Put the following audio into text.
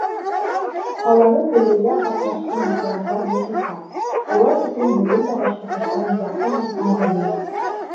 Ҡаланы төҙөүҙә ҡатнашҡан ветерандар бихисап, улар өсөн бөгөн дә Башҡортостан яҡын һәм ҡәҙерле.